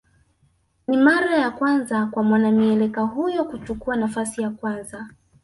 Ni mara ya kwanza kwa mwanamieleka huyo kuchukua nafasi ya kwanza